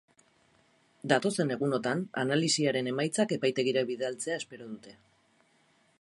Datozen egunotan analisiaren emaitzak epaitegira bidaltzea espero dute.